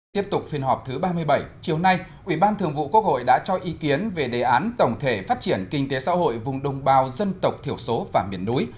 tiếp tục phiên họp thứ ba mươi bảy chiều nay ủy ban thường vụ quốc hội đã cho ý kiến về đề án tổng thể phát triển kinh tế xã hội vùng đồng bào dân tộc thiểu số và miền núi